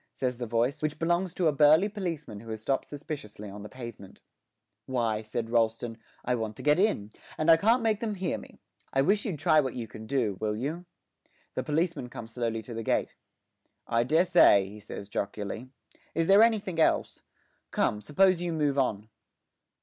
says the voice, which belongs to a burly policeman who has stopped suspiciously on the pavement. 'Why,' says Rolleston, 'I want to get in, and I can't make them hear me. I wish you'd try what you can do, will you?' The policeman comes slowly in to the gate. 'I dessay,' he says jocularly. 'Is there anythink else? Come, suppose you move on.'